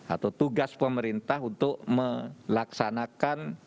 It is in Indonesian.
atau tugas pemerintah untuk melaksanakan